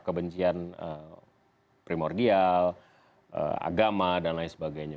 kebencian primordial agama dan lain sebagainya